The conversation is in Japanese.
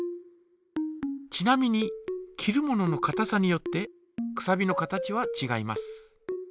ちなみに切るもののかたさによってくさびの形はちがいます。